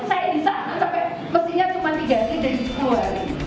saya di sana sampai mesinnya cuma diganti dan dikeluarkan